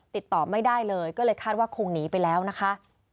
ติดต่อไม่ได้เลยก็เลยคาดว่าคงหนีไปแล้วนะคะ